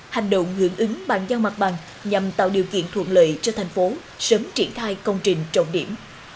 hành động hưởng ứng bàn giao mặt bằng nhằm tạo điều kiện thuận lợi cho thành phố sớm triển khai công trình trọng điểm